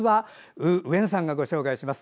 ウー・ウェンさんがご紹介します。